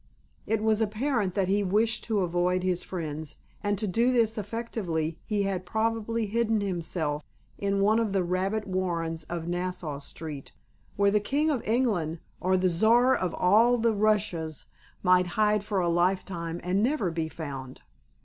It was apparent that he wished to avoid his friends, and to do this effectually he had probably hidden himself in one of the rabbit warrens of Nassau Street, where the King of England or the Czar of all the Russias might hide for a lifetime and never be found.